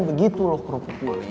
begitu loh krupu krupu